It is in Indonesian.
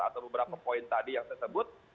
atau beberapa poin tadi yang tersebut